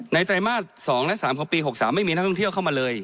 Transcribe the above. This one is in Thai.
ไตรมาส๒และ๓ของปี๖๓ไม่มีนักท่องเที่ยวเข้ามาเลย